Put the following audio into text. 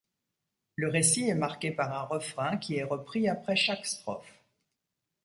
Le récit est marqué par un refrain qui est repris après chaque strophe.